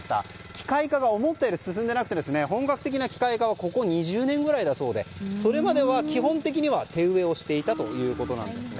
機械化が思ったより進んでなくて本格的な機械化はここ２０年ぐらいだそうでそれまでは基本的には手植えをしていたということです。